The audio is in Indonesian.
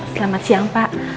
selamat siang pak